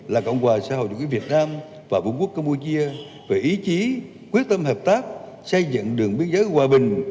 là cộng hòa xã hội chủ nghĩa việt nam và vũ quốc campuchia về ý chí quyết tâm hợp tác xây dựng đường biên giới hòa bình